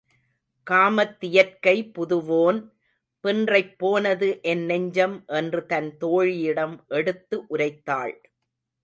காமத்தியற்கை புதுவோன் பின்றைப் போனது என் நெஞ்சம் என்று தன் தோழியிடம் எடுத்து உரைத்தாள்.